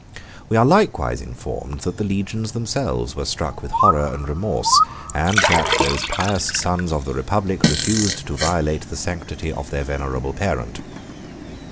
We are likewise informed that the legions themselves were struck with horror and remorse, and that those pious sons of the republic refused to violate the sanctity of their venerable parent.